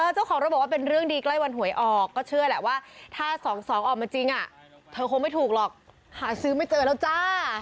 เจ้าของรถบอกว่าเป็นเรื่องดีใกล้วันหวยออกก็เชื่อแหละว่าถ้า๒๒ออกมาจริงเธอคงไม่ถูกหรอกหาซื้อไม่เจอแล้วจ้า